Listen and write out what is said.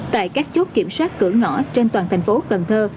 tại các chốt kiểm soát cửa ngõ trên toàn thành phố cần thơ